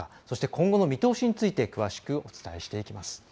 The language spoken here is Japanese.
そして、今後の見通しについて詳しくお伝えしていきます。